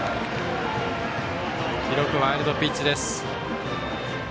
記録、ワイルドピッチです。